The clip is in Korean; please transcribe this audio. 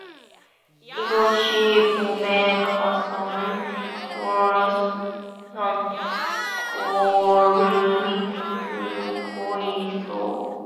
이것이 봄에 가서는 훌륭한 거름이 될 것이오.